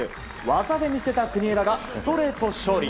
技で見せた国枝がストレート勝利。